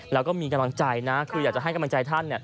แล้วก็มีกำลังใจนะคืออยากจะให้กำลังใจท่าน